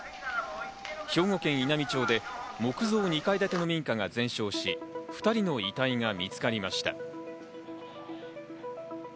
兵庫県稲美町で木造２階建ての民家が全焼し、２人の遺体が見つかりました。